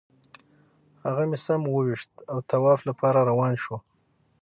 هغه مې سم وویشت او طواف لپاره روان شوو.